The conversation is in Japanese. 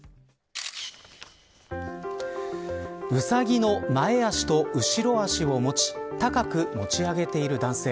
ウサギの前足と後ろ足を持ち高く持ち上げている男性。